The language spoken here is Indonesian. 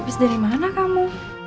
habis dari mana kamu